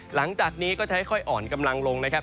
หลังจากนี้ก็จะค่อยอ่อนกำลังลงนะครับ